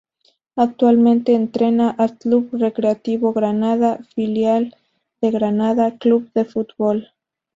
Actualmente entrena al Club Recreativo Granada, filial del Granada Club de Fútbol.